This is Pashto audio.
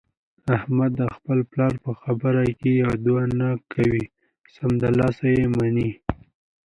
احمد د خپل پلار په خبره کې یوه دوه نه کوي، سمدلاسه یې مني.